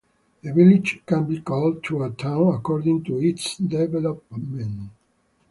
The village can be called to a town according to its development.